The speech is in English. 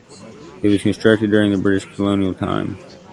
It was constructed during the British colonial time.